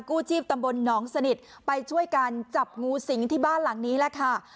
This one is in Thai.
กู้จีบตำบลน้องสนิทไปช่วยการจับนู้สิงที่บ้านหลังนี้แล้วค่ะ